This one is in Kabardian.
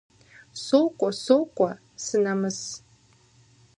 Сокӏуэ, сокӏуэ - сынэмыс.